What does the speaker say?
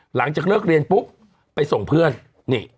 หลังจากเลิกเรียนปุ๊บไปส่งเพื่อนนี่